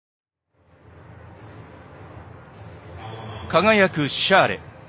輝くシャーレ。